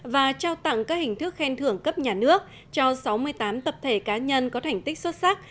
và trao tặng các hình thức khen thưởng cấp nhà nước cho sáu mươi tám tập thể cá nhân có thành tích xuất sắc